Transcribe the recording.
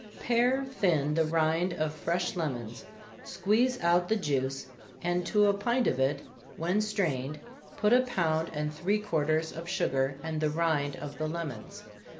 _ Pare thin the rind of fresh lemons, squeeze out the juice, and to a pint of it, when strained, put a pound and three quarters of sugar, and the rind of the lemons.